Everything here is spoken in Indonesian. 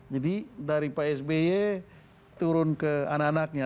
jadi dari pak sby turun ke anak anaknya